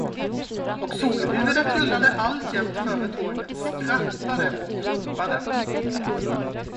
Och solhuvudet rullade alltjämt före tåget, skrattade och ropade.